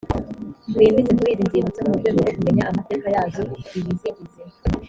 bwimbitse kuri izi nzibutso mu rwego rwo kumenya amateka yazo ibizigize